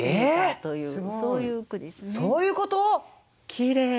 きれい。